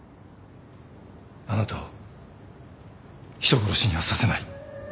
あなたを人殺しにはさせない。